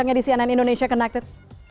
sampai jumpa di cnn indonesia connected